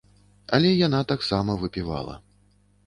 Але яна таксама выпівала.